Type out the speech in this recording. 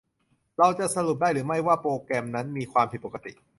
เราจะสรุปได้หรือไม่ว่าโปรแกรมนั้นมีความผิดปกติ ?